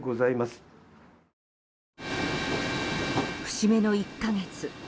節目の１か月。